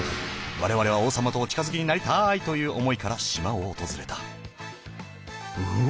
我々は「王様とお近づきになりたい！」という思いから島を訪れたうわ